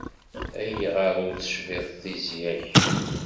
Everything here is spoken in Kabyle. Ayɣer ur tecbiḍ tizya-k?